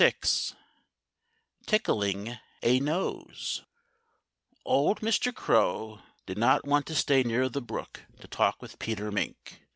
VI TICKLING A NOSE Old Mr. Crow did not want to stay near the brook to talk with Peter Mink.